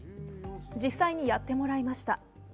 実際にやってもらいました。